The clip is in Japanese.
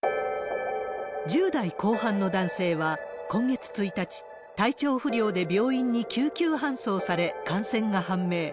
１０代後半の男性は今月１日、体調不良で病院に救急搬送され、感染が判明。